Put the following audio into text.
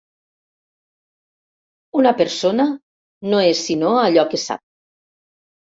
Una persona no és sinó allò que sap.